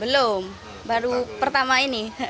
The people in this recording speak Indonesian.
belum baru pertama ini